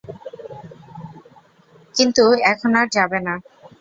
কিন্তু এখন আর যাবে না।